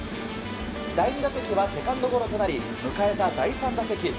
第２打席はセカンドゴロとなり迎えた第３打席。